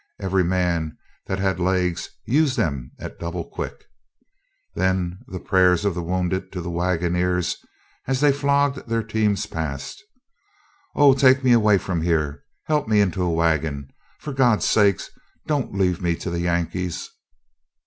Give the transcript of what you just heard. Every man that had legs used them at double quick. Then the prayers of the wounded to the wagoners, as they flogged their teams past: "Oh, take me away from here, help me into a wagon; for God's sake, don't leave me to the Yankees!"